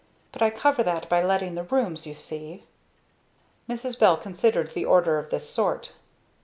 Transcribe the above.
But I cover that by letting the rooms, you see." Mrs. Bell considered the orders of this sort.